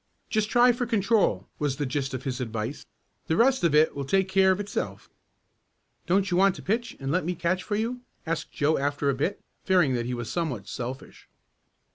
"Just try for control," was the gist of his advice. "The rest if it will take care of itself." "Don't you want to pitch and let me catch for you?" asked Joe after a bit, fearing that he was somewhat selfish.